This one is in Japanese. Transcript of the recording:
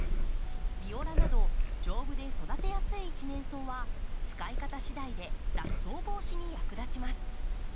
ビオラなど丈夫で育てやすい一年草は使い方しだいで雑草防止に役立ちます。